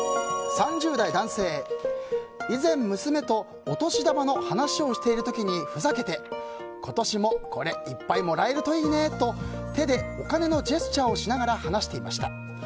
３０代男性以前、娘とお年玉の話をしている時にふざけて今年も、これいっぱいもらえるといいねと手でお金のジェスチャーをしながら話していました。